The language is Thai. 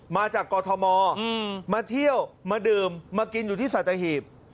มาจากกอทมมาเที่ยวมาดื่มมากินอยู่ที่สัตหีบ